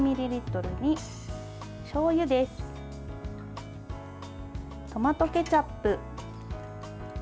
トマトケチャップ。